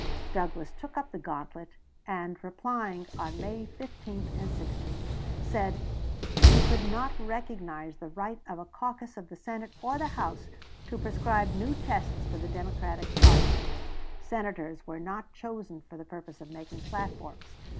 Douglas took up the gauntlet, and, replying on May 15 and 16, said he could not recognize the right of a caucus of the Senate or the House to prescribe new tests for the Democratic party. Senators were not chosen for the purpose of making platforms.